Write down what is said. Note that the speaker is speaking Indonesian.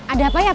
ada apa ya pak